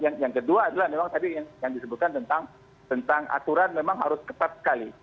jadi yang kedua adalah memang tadi yang disebutkan tentang aturan memang harus ketat sekali